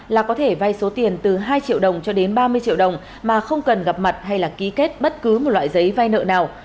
là có thể vay số tiền từ hai triệu đồng cho đến ba mươi triệu đồng mà không cần gặp mặt hay là ký kết bất cứ một loại giấy vay nợ nào